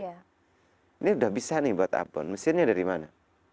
ini udah bisa nih buat abon mesinnya dari mana